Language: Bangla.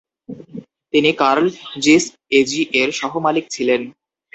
তিনি কার্ল জিস এজি এর সহ-মালিক ছিলেন।